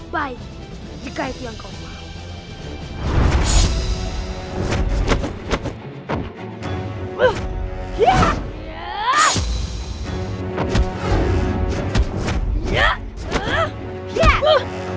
baik jika itu yang kau mau